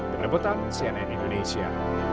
berdebutan cnn indonesia